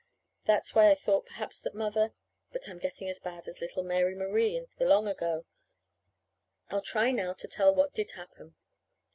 That's why I thought perhaps that Mother But I'm getting as bad as little Mary Marie of the long ago. I'll try now to tell what did happen.